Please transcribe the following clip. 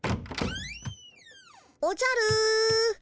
おじゃる。